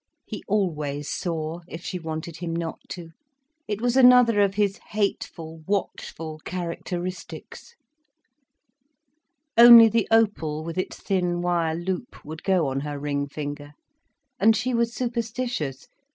He always saw, if she wanted him not to. It was another of his hateful, watchful characteristics. Only the opal, with its thin wire loop, would go on her ring finger. And she was superstitious.